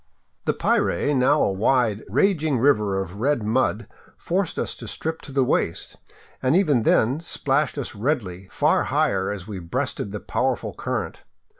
The Piray, now a wide, raging river of red mud, forced us to strip to the waist, and even then splashed us redly far higher as we breasted the powerful current.